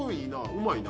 うまいな。